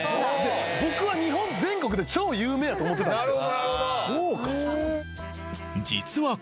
僕は日本全国で超有名やと思ってたんですよ